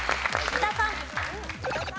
三田さん。